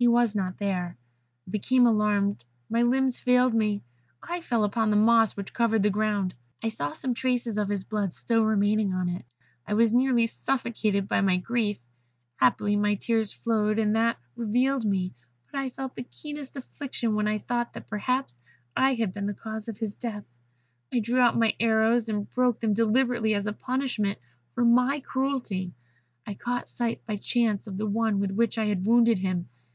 He was not there. I became alarmed; my limbs failed me; I fell upon the moss which covered the ground. I saw some traces of his blood still remaining on it. I was nearly suffocated by my grief. Happily my tears flowed, and that relieved me; but I felt the keenest affliction when I thought that perhaps I had been the cause of his death. I drew out my arrows, and broke them deliberately as a punishment for my cruelty. I caught sight by chance of the one with which I had wounded him.